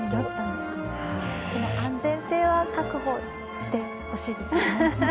でも安全性は確保してほしいですね。